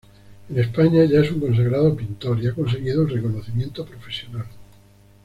En España, ya es un consagrado pintor y ha conseguido el reconocimiento profesional.